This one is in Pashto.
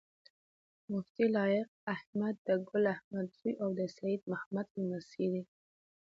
مفتي لائق احمد د ګل احمد زوي او د سيد محمد لمسی دی